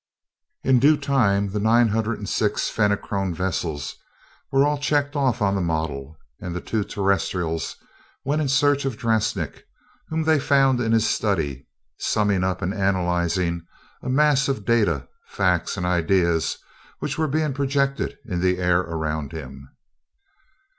In due time the nine hundred and sixth Fenachrone vessel was checked off on the model, and the two Terrestrials went in search of Drasnik, whom they found in his study, summing up and analyzing a mass of data, facts, and ideas which were being projected in the air around him.